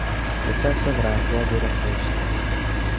Poté se vrátila do Rakouska.